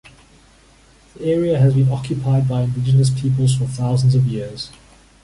The area had been occupied by indigenous peoples for thousands of years.